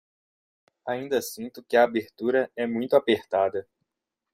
Ainda sinto que a abertura é muito apertada